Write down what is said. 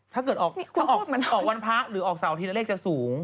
ถ้าเกิดออกวันพระหรือออกเสาร์ทีละเลขจะสูง